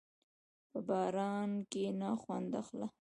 په باران کښېنه، خوند اخله.